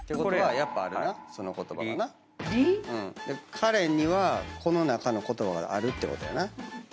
彼にはこの中の言葉があるってことやな。